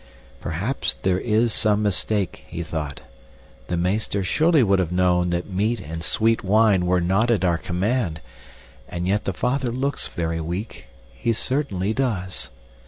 Perhaps there is some mistake, he thought. The meester surely would have known that meat and sweet wine were not at our command; and yet the father looks very weak he certainly does.